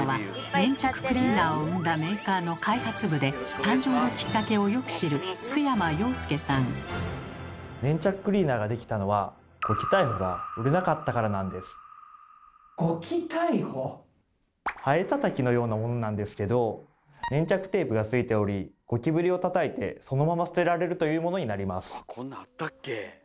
粘着クリーナーを生んだメーカーの開発部で誕生のキッカケをよく知るハエたたきのようなものなんですけど粘着テープがついておりゴキブリをたたいてそのまま捨てられるというものになります。